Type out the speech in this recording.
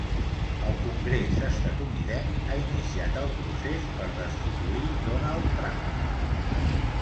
El congrés estatunidenc ha iniciat el procés per destituir Donald Trump.